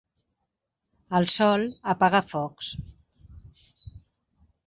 El sol apaga focs.